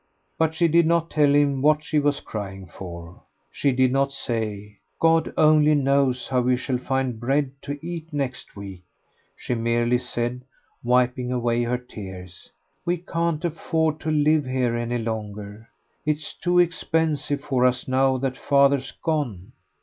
But she did not tell him what she was crying for. She did not say, "God only knows how we shall find bread to eat next week;" she merely said, wiping away her tears, "We can't afford to live here any longer. It's too expensive for us now that father's gone."